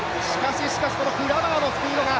しかしクラバーのスピードが。